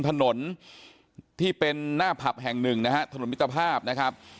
ถนนที่เป็นหน้าผับแห่ง๑นะธนวิทยาภาพนะครับ